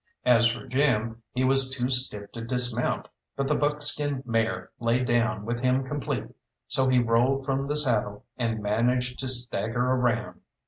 As for Jim, he was too stiff to dismount, but the buckskin mare lay down with him complete; so he rolled from the saddle, and managed to stagger around.